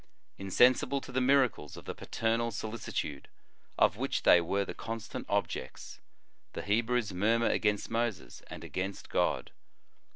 "* Insensible to the miracles of the paternal solicitude, of which they were the constant objects, the Hebrews murmur against Moses and against God.